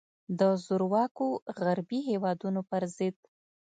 د زورواکو غربي هیوادونو پر ضد.